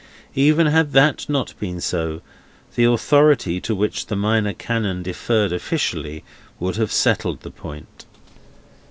Even had that not been so, the authority to which the Minor Canon deferred officially, would have settled the point.